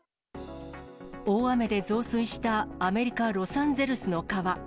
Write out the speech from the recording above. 大雨で増水したアメリカ・ロサンゼルスの川。